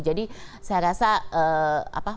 jadi saya rasa apa